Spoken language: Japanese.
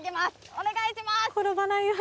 お願いします。